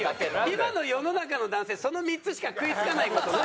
今の世の中の男性その３つしか食い付かない事ない。